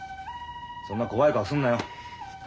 そんな怖い顔すんなよ。